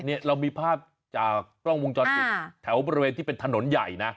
เรามีภาพจากกล้องวงจรปิดแถวบริเวณที่เป็นถนนใหญ่นะ